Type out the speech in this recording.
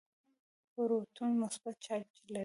پروټون مثبت چارج لري.